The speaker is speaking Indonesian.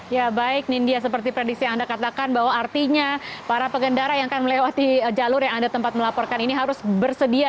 ya baik nindya seperti prediksi yang anda katakan bahwa artinya para pengendara yang akan melewati jalur yang anda tempat melaporkan ini harus bersedia